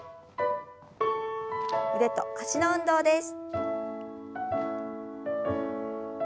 腕と脚の運動です。